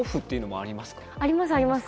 ありますあります。